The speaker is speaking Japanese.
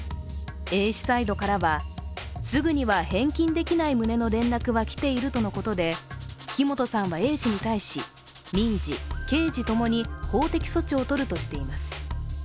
Ａ氏サイドからは、すぐには返金できない旨の連絡は来ているということで木本さんはＡ氏に対し民事・刑事ともに法的措置を取るとしています。